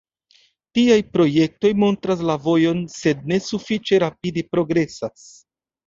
Tiaj projektoj montras la vojon, sed ne sufiĉe rapide progresas.